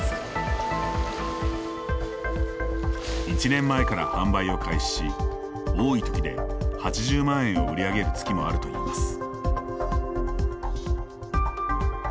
１年前から販売を開始し多いときで８０万円を売り上げる月もあるといいます。